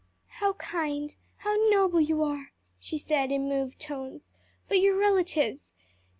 "How kind, how noble you are," she said, in moved tones. "But your relatives?